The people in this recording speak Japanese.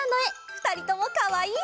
ふたりともかわいい！